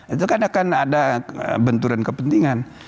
itu kan akan ada benturan kepentingan